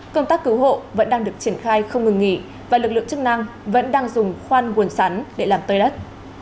công tác cứu hộ vẫn đang được triển khai không ngừng nghỉ và lực lượng chức năng vẫn đang dùng khoan nguồn sắn để làm tơi đất